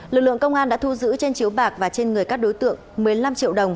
lực lượng công an đã thu giữ trên chiếu bạc và trên người các đối tượng một mươi năm triệu đồng